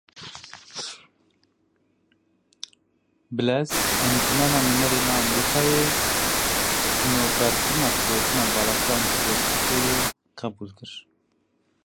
Bilez Encûmena Nûneran a Amerîkayê sînordarkirina firotina balafiran ji bo Tirkiyeyê qebûl kir.